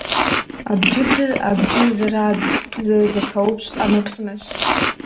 Абджыбзыр - абджыр зэрабз, зэрызэпаупщӏ ӏэмэпсымэщ.